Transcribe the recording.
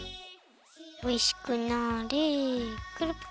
おいしくなれ。